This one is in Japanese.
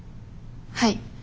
はい。